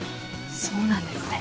そうなんですね。